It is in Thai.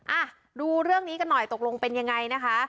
อ่ะดูเรื่องนี้กันหน่อยตกลงเป็นยังไงนะคะ